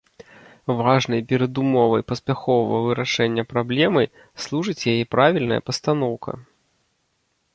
Важнай перадумовай паспяховага вырашэння праблемы служыць яе правільная пастаноўка.